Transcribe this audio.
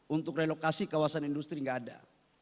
untuk relokasi kawasan industri nggak ada